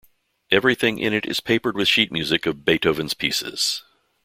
Everything in it is papered with sheet music of Beethoven's pieces.